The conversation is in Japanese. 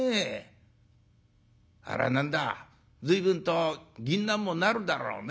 あれは何だ随分と銀杏もなるだろうね。